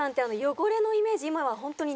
汚れのイメージ？